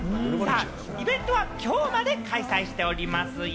イベントはきょうまで開催しておりますよ。